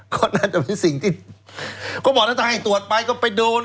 ก็น่าจะเป็นสิ่งที่เขาบอกแล้วถ้าให้ตรวจไปก็ไปโดน